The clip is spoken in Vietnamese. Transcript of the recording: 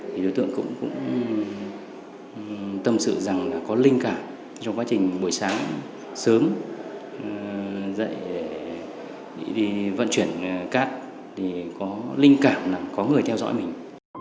thì đối tượng cũng tâm sự rằng là có linh cảm trong quá trình buổi sáng sớm dậy đi vận chuyển cát thì có linh cảm là có người theo dõi mình